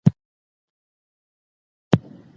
هغوی د نورو میشتو ولسونو سره روابط لري.